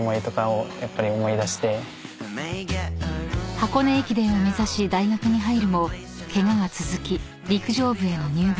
［箱根駅伝を目指し大学に入るもケガが続き陸上部への入部はかなわず］